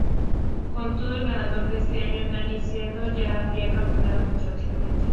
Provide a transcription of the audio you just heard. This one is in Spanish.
Con todo, el ganador de ese año, Dani Sordo, ya era campeón matemáticamente.